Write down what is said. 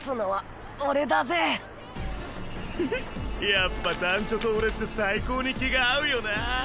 やっぱ団ちょと俺って最高に気が合うよなぁ。